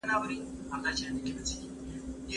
د ذميانو سر او مال د مسلمانانو په څير محترم دی.